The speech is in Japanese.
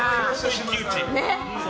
一騎打ち。